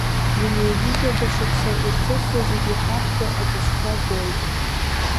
Ҩынҩажәижәаба шықәса ирҭысуа зегьы ҳахәда абыжьқәа гоит!